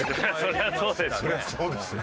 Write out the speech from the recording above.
そりゃそうですよ。